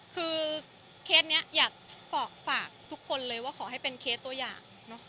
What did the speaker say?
คือเคสนี้อยากฝากทุกคนเลยว่าขอให้เป็นเคสตัวอย่าง